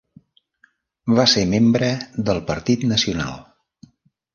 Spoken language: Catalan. Va ser membre del Partit Nacional.